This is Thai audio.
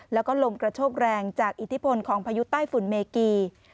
แล้วก็ลมกระโชกแรงจากอิทธิพลของพายุใต้ฝุ่นเมกี